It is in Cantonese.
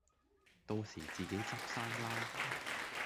到時自己執生啦